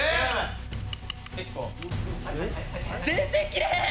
全然切れへん！